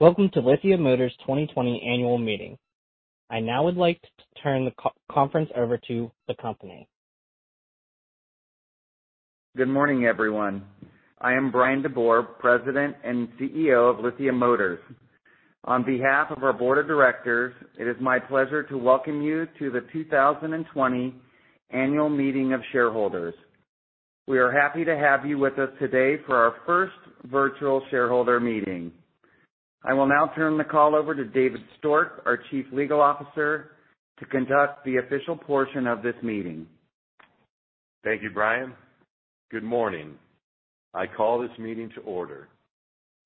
Welcome to Lithia Motors' 2020 annual meeting. I now would like to turn the conference over to the company. Good morning, everyone. I am Bryan DeBoer, President and CEO of Lithia Motors. On behalf of our Board of Directors, it is my pleasure to welcome you to the 2020 annual meeting of shareholders. We are happy to have you with us today for our first virtual shareholder meeting. I will now turn the call over to David Stork, our Chief Legal Officer, to conduct the official portion of this meeting. Thank you, Bryan. Good morning. I call this meeting to order.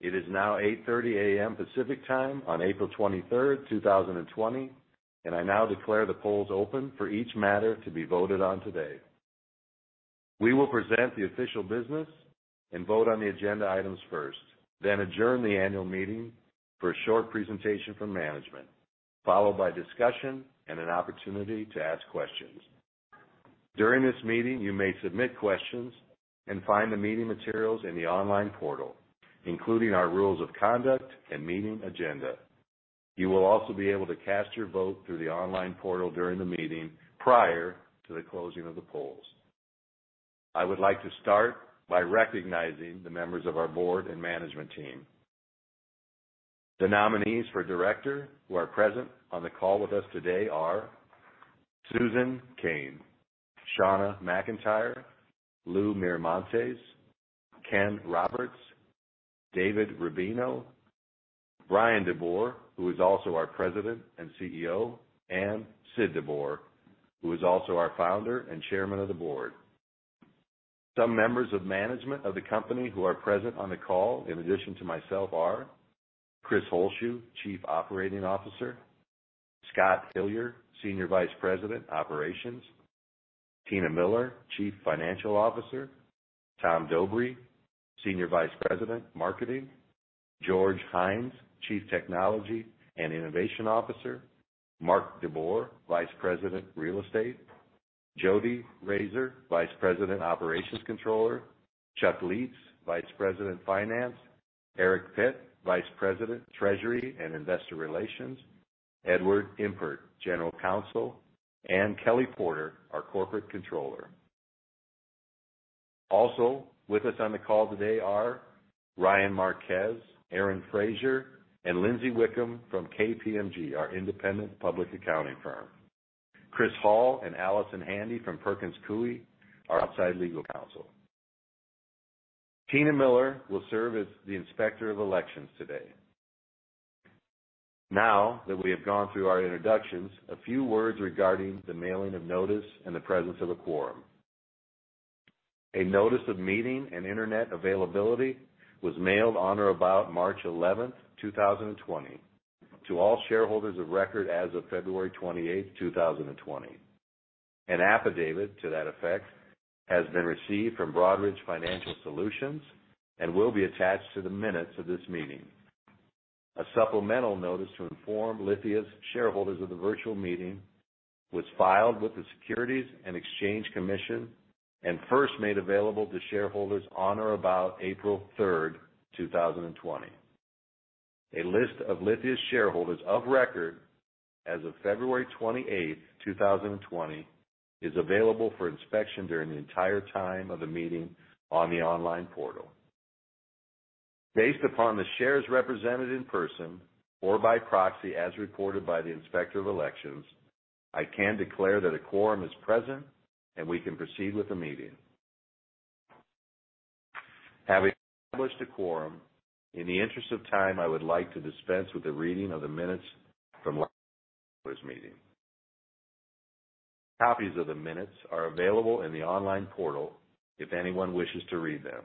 It is now 8:30 A.M. Pacific Time on April 23, 2020, and I now declare the polls open for each matter to be voted on today. We will present the official business and vote on the agenda items first, then adjourn the annual meeting for a short presentation from management, followed by discussion and an opportunity to ask questions. During this meeting, you may submit questions and find the meeting materials in the online portal, including our rules of conduct and meeting agenda. You will also be able to cast your vote through the online portal during the meeting prior to the closing of the polls. I would like to start by recognizing the members of our board and management team. The nominees for director who are present on the call with us today are Susan Cain, Shauna McIntyre, Louis Miramontes, Ken Roberts, David Robino, Bryan DeBoer, who is also our President and CEO, and Sid DeBoer, who is also our founder and Chairman of the Board. Some members of management of the company who are present on the call, in addition to myself, are Chris Holzshu, Chief Operating Officer, Scott Hillier, Senior Vice President, Operations, Tina Miller, Chief Financial Officer, Tom Dobry, Senior Vice President, Marketing, George Hines, Chief Technology and Innovation Officer, Mark DeBoer, Vice President, Real Estate, Jodi Rasor, Vice President, Operations Controller, Chuck Lietz, Vice President, Finance, Eric Pitt, Vice President, Treasury and Investor Relations, Edward Impert, General Counsel, and Kelly Porter, our Corporate Controller. Also with us on the call today are Ryan Marquez, Aaron Frazier, and Lindsay Wickham from KPMG, our independent public accounting firm. Chris Hall and Allison Handy from Perkins Coie are outside legal counsel. Tina Miller will serve as the Inspector of Elections today. Now that we have gone through our introductions, a few words regarding the mailing of notice and the presence of a quorum. A notice of meeting and internet availability was mailed on or about March 11, 2020, to all shareholders of record as of February 28, 2020. An affidavit to that effect has been received from Broadridge Financial Solutions and will be attached to the minutes of this meeting. A supplemental notice to inform Lithia's shareholders of the virtual meeting was filed with the Securities and Exchange Commission and first made available to shareholders on or about April 3, 2020. A list of Lithia's shareholders of record as of February 28, 2020, is available for inspection during the entire time of the meeting on the online portal. Based upon the shares represented in person or by proxy as reported by the Inspector of Elections, I can declare that a quorum is present and we can proceed with the meeting. Having established a quorum, in the interest of time, I would like to dispense with the reading of the minutes from last year's meeting. Copies of the minutes are available in the online portal if anyone wishes to read them.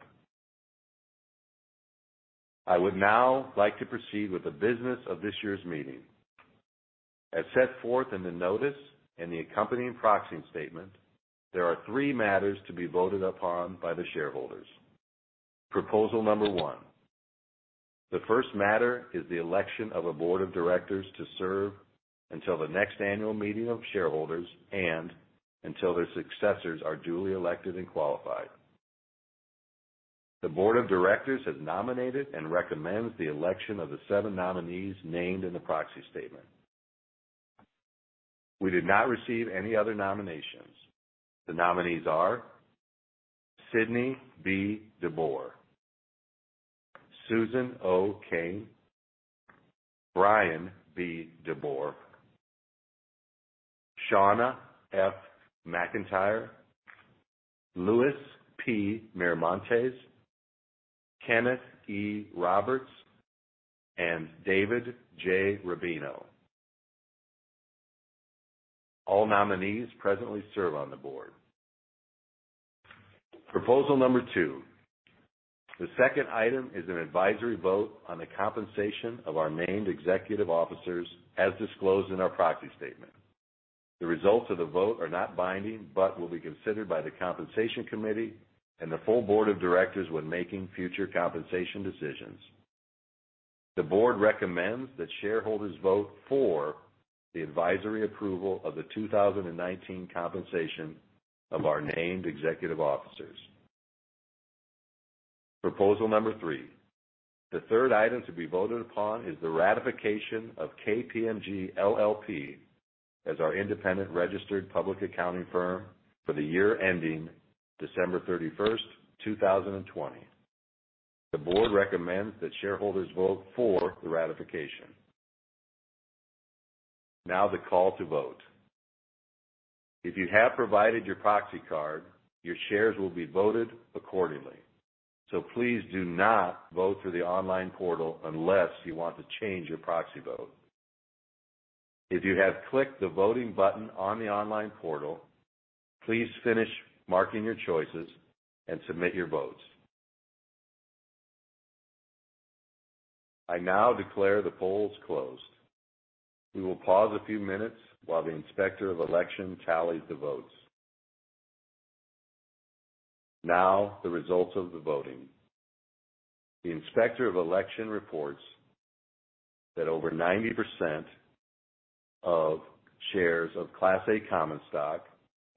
I would now like to proceed with the business of this year's meeting. As set forth in the notice and the accompanying proxy statement, there are three matters to be voted upon by the shareholders. Proposal number one. The first matter is the election of a board of directors to serve until the next annual meeting of shareholders and until their successors are duly elected and qualified. The board of directors has nominated and recommends the election of the seven nominees named in the proxy statement. We did not receive any other nominations. The nominees are Sidney B. DeBoer, Susan O. Cain, Bryan B. DeBoer, Shauna F. McIntyre, Louis P. Miramontes, Kenneth E. Roberts, and David J. Robino. All nominees presently serve on the board. Proposal number two. The second item is an advisory vote on the compensation of our named executive officers as disclosed in our proxy statement. The results of the vote are not binding but will be considered by the compensation committee and the full board of directors when making future compensation decisions. The board recommends that shareholders vote for the advisory approval of the 2019 compensation of our named executive officers. Proposal number three. The third item to be voted upon is the ratification of KPMG LLP as our independent registered public accounting firm for the year ending December 31, 2020. The board recommends that shareholders vote for the ratification. Now the call to vote. If you have provided your proxy card, your shares will be voted accordingly. So please do not vote through the online portal unless you want to change your proxy vote. If you have clicked the voting button on the online portal, please finish marking your choices and submit your votes. I now declare the polls closed. We will pause a few minutes while the Inspector of Elections tallies the votes. Now the results of the voting. The Inspector of Elections reports that over 90% of shares of Class A common stock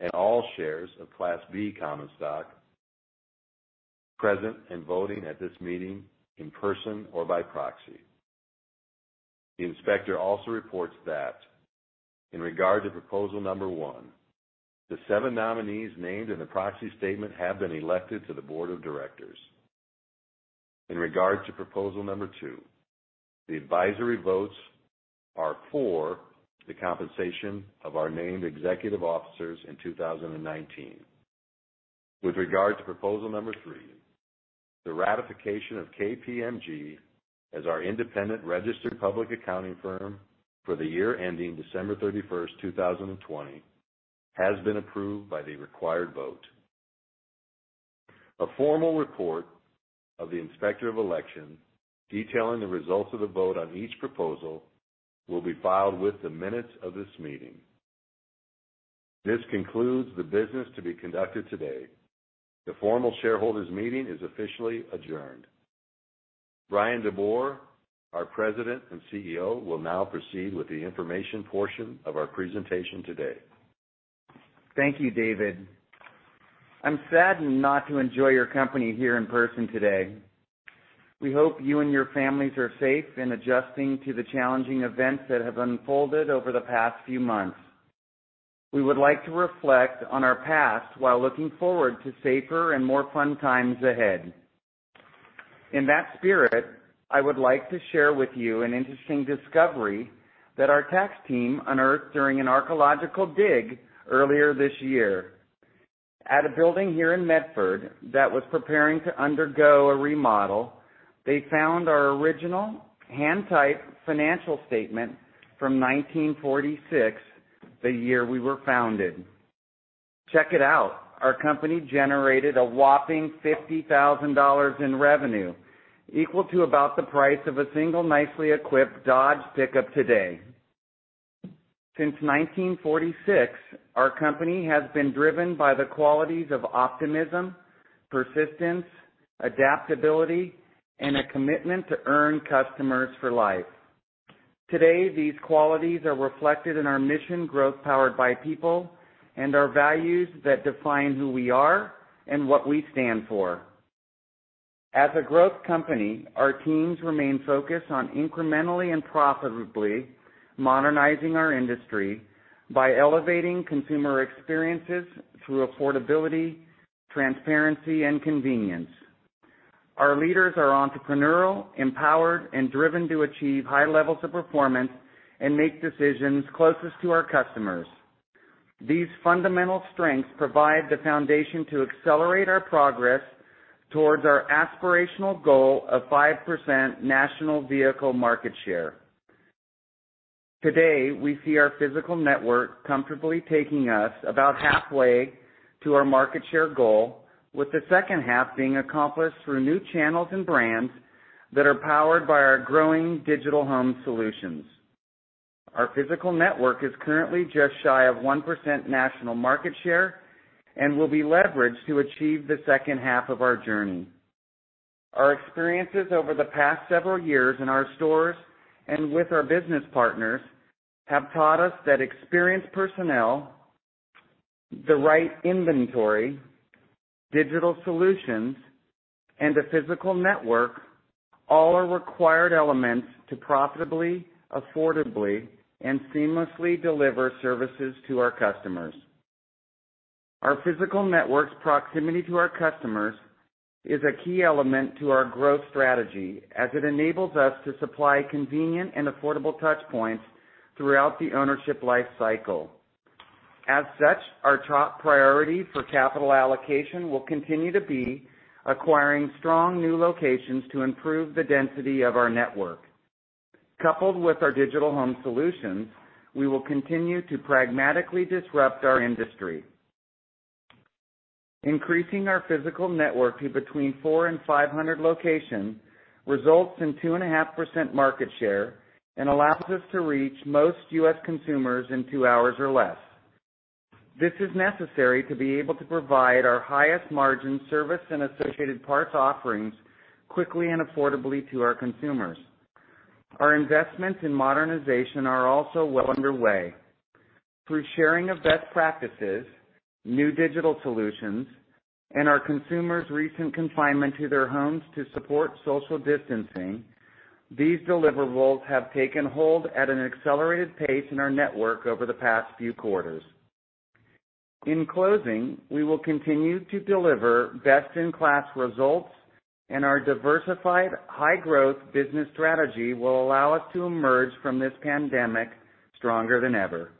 and all shares of Class B common stock are present and voting at this meeting in person or by proxy. The Inspector also reports that in regard to proposal number one, the seven nominees named in the proxy statement have been elected to the board of directors. In regard to proposal number two, the advisory votes are for the compensation of our named executive officers in 2019. With regard to proposal number three, the ratification of KPMG as our independent registered public accounting firm for the year ending December 31, 2020, has been approved by the required vote. A formal report of the Inspector of Elections detailing the results of the vote on each proposal will be filed with the minutes of this meeting. This concludes the business to be conducted today. The formal shareholders' meeting is officially adjourned. Bryan DeBoer, our President and CEO, will now proceed with the information portion of our presentation today. Thank you, David. I'm saddened not to enjoy your company here in person today. We hope you and your families are safe and adjusting to the challenging events that have unfolded over the past few months. We would like to reflect on our past while looking forward to safer and more fun times ahead. In that spirit, I would like to share with you an interesting discovery that our tax team unearthed during an archaeological dig earlier this year. At a building here in Medford that was preparing to undergo a remodel, they found our original hand-typed financial statement from 1946, the year we were founded. Check it out. Our company generated a whopping $50,000 in revenue, equal to about the price of a single nicely equipped Dodge pickup today. Since 1946, our company has been driven by the qualities of optimism, persistence, adaptability, and a commitment to earn customers for life. Today, these qualities are reflected in our mission: growth powered by people and our values that define who we are and what we stand for. As a growth company, our teams remain focused on incrementally and profitably modernizing our industry by elevating consumer experiences through affordability, transparency, and convenience. Our leaders are entrepreneurial, empowered, and driven to achieve high levels of performance and make decisions closest to our customers. These fundamental strengths provide the foundation to accelerate our progress towards our aspirational goal of 5% national vehicle market share. Today, we see our physical network comfortably taking us about halfway to our market share goal, with the second half being accomplished through new channels and brands that are powered by our growing digital home solutions. Our physical network is currently just shy of 1% national market share and will be leveraged to achieve the second half of our journey. Our experiences over the past several years in our stores and with our business partners have taught us that experienced personnel, the right inventory, digital solutions, and a physical network all are required elements to profitably, affordably, and seamlessly deliver services to our customers. Our physical network's proximity to our customers is a key element to our growth strategy as it enables us to supply convenient and affordable touchpoints throughout the ownership life cycle. As such, our top priority for capital allocation will continue to be acquiring strong new locations to improve the density of our network. Coupled with our digital home solutions, we will continue to pragmatically disrupt our industry. Increasing our physical network to between 400 and 500 locations results in 2.5% market share and allows us to reach most U.S. consumers in two hours or less. This is necessary to be able to provide our highest margin service and associated parts offerings quickly and affordably to our consumers. Our investments in modernization are also well underway. Through sharing of best practices, new digital solutions, and our consumers' recent confinement to their homes to support social distancing, these deliverables have taken hold at an accelerated pace in our network over the past few quarters. In closing, we will continue to deliver best-in-class results, and our diversified, high-growth business strategy will allow us to emerge from this pandemic stronger than ever.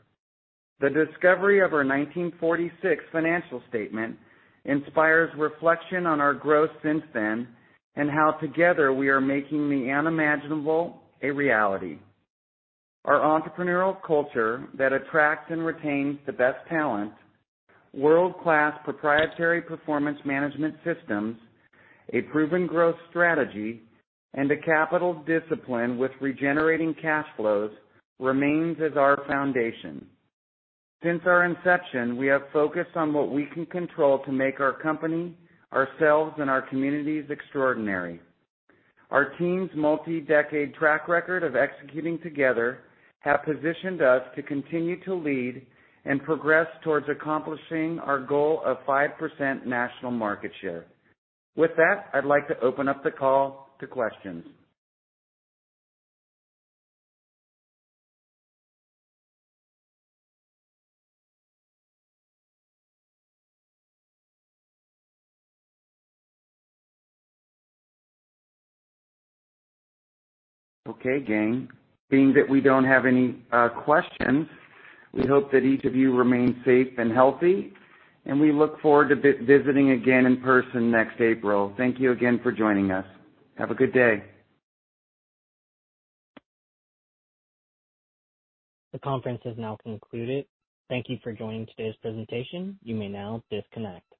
The discovery of our 1946 financial statement inspires reflection on our growth since then and how together we are making the unimaginable a reality. Our entrepreneurial culture that attracts and retains the best talent, world-class proprietary performance management systems, a proven growth strategy, and a capital discipline with regenerating cash flows remains as our foundation. Since our inception, we have focused on what we can control to make our company, ourselves, and our communities extraordinary. Our team's multi-decade track record of executing together has positioned us to continue to lead and progress towards accomplishing our goal of 5% national market share. With that, I'd like to open up the call to questions. Okay, gang. Being that we don't have any questions, we hope that each of you remain safe and healthy, and we look forward to visiting again in person next April. Thank you again for joining us. Have a good day. The conference has now concluded. Thank you for joining today's presentation. You may now disconnect.